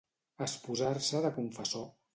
Esposar-se de confessor.